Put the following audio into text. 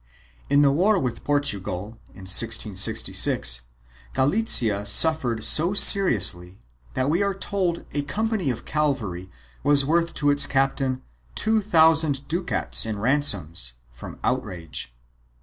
In the war with Portugal, in 1666, Galicia suffered so seriously that we are told a company of cavalry was worth to its captain two thousand ducats in ransoms, from outrage.